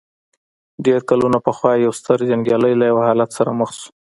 ډېر کلونه پخوا يو ستر جنګيالی له يوه حالت سره مخ شو.